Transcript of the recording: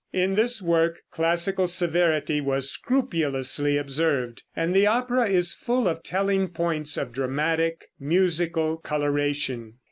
In this work classical severity was scrupulously observed, and the opera is full of telling points of dramatic musical coloration.